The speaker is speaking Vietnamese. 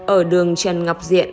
ở đường trần ngọc diện